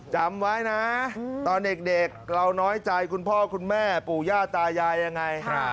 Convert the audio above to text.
จำไว้นะตอนเด็กเราน้อยใจคุณพ่อคุณแม่ปู่ย่าตายายยังไง